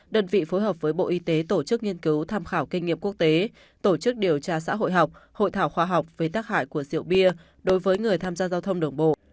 đơn vị phối hợp với bộ y tế tổ chức nghiên cứu tham khảo kinh nghiệm quốc tế tổ chức điều tra xã hội học hội thảo khoa học về tác hại của rượu bia đối với người tham gia giao thông đường bộ